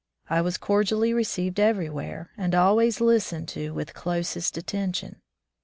I was cordially received everywhere, and always listened to with the closest attention.